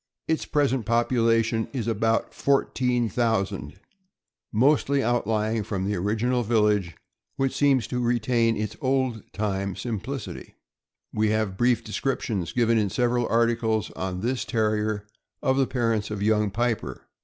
Its present population is about 14,000, mostly outlying from the original village, which seems to retain its old time simplicity. We have brief descriptions, given in several articles on this Terrier, of the parents of Young Piper.